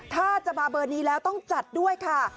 ถ้าจะมาเบอร์นี้แล้วต้องจัดด้วยค่ะ